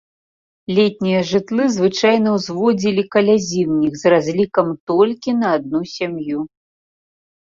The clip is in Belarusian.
Летнія жытлы звычайна ўзводзілі каля зімніх з разлікам толькі на адну сям'ю.